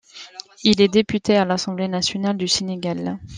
Il est député à l'assemblée nationale du Sénégal.